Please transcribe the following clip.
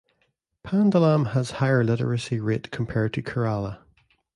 Pandalam has higher literacy rate compared to Kerala.